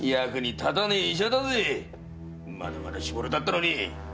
まだまだ搾れたってのに！